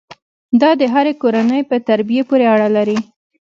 دا د هرې کورنۍ په تربیې پورې اړه لري.